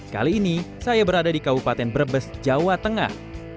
kali ini saya berada di kabupaten brebes jawa tengah